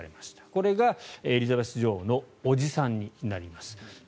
これがエリザベス女王の伯父さんになります。